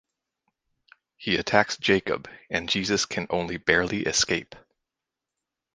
He attacks Jacob and Jesus can only barely escape.